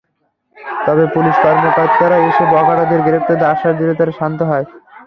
পরে পুলিশ কর্মকর্তারা এসে বখাটেদের গ্রেপ্তারের আশ্বাস দিলে তারা শান্ত হয়।